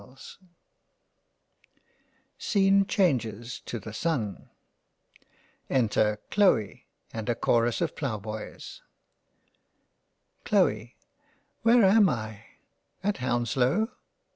133 ^ JANE AUSTEN g Scene changes to the Sun — Enter Chloe and a chorus of ploughboys. Chloe) Where am I ? At Hounslow.